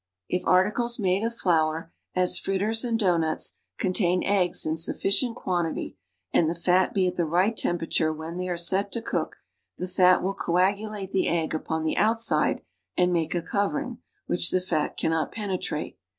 If articles made of flour, as fritters and doughnuts, contain eggs in sutBcient quantity and the fat be at the riglit tem perature when they are set to ct)ok, the fat will coagulate the egg u])on the outside and make a covering, which the fat cannot penetrate.